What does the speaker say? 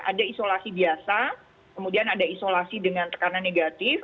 ada isolasi biasa kemudian ada isolasi dengan tekanan negatif